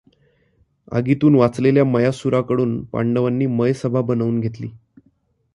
आगीतून वांचलेल्या मयासुराकडून पांडवांनी मयसभा बनवून घेतली.